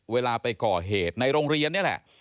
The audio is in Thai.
เวลาไปก่อเหตุในโรงเรียนนี่แหละ